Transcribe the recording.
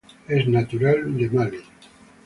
Es nativa de Mali.